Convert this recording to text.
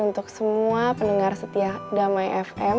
untuk semua pendengar setia damai fm